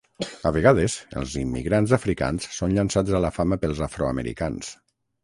A vegades, els immigrants africans són llançats a la fama pels afroamericans.